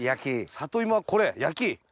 里芋はこれ焼き！